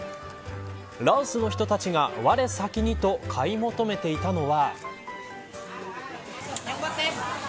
ラオスの人たちがわれ先にと買い求めていたのは。